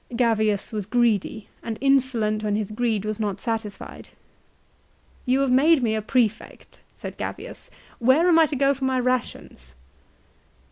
Gavius was greedy, and insolent when his greed was not satisfied. " You have made me a prefect," said Gavius ;" where am I to go for my rations?"